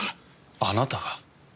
あなたが？